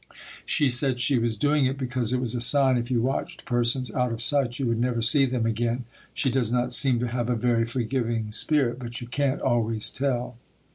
She said she was doing it because it was a sign if you watched persons out of sight you would never see them again. She does not seem to have a very forgiving spirit, but you can't always tell.